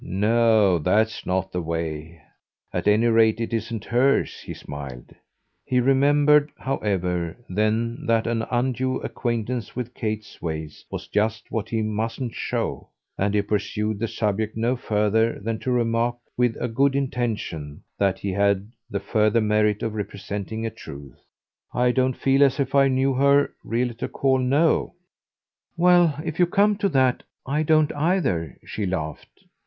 "No that's not the way. At any rate it isn't hers," he smiled. He remembered, however, then that an undue acquaintance with Kate's ways was just what he mustn't show; and he pursued the subject no further than to remark with a good intention that had the further merit of representing a truth: "I don't feel as if I knew her really to call know." "Well, if you come to that, I don't either!" she laughed.